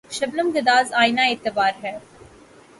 شبنم‘ گداز آئنۂ اعتبار ہے